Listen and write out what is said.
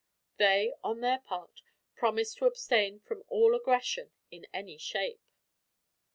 They, on their part, promised to abstain from all aggression, in any shape.